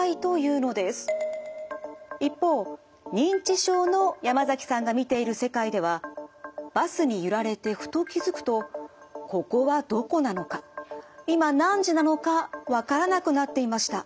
一方認知症の山崎さんが見ている世界ではバスに揺られてふと気付くとここはどこなのか今何時なのかわからなくなっていました。